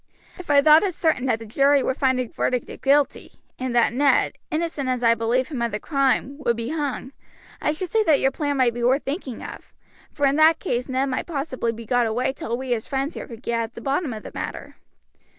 If I thought it certain that the jury would find a verdict of guilty, and that Ned, innocent as I believe him of the crime, would be hung, I should say that your plan might be worth thinking of; for in that case Ned might possibly be got away till we his friends here could get at the bottom of the matter.